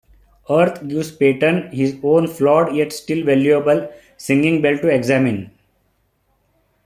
Urth gives Peyton his own flawed, yet still valuable singing bell to examine.